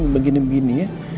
begini begini ya